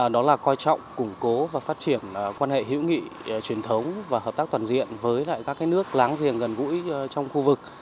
đó là coi trọng củng cố và phát triển quan hệ hữu nghị truyền thống và hợp tác toàn diện với các nước láng giềng gần gũi trong khu vực